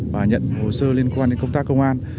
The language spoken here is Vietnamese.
và nhận hồ sơ liên quan đến công tác công an